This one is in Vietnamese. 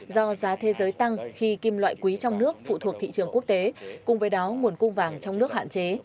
do giá thế giới tăng khi kim loại quý trong nước phụ thuộc thị trường quốc tế cùng với đó nguồn cung vàng trong nước hạn chế